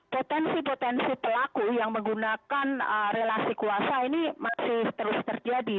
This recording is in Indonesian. potensi potensi pelaku yang menggunakan relasi kuasa ini masih terus terjadi